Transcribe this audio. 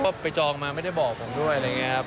ก็ไปจองมาไม่ได้บอกผมด้วยอะไรอย่างนี้ครับ